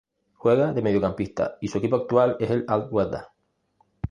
Juega de mediocampista y su equipo actual es el Al-Wehda.